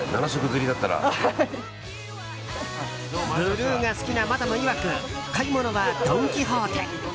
ブルーが好きなマダムいわく買い物はドン・キホーテ。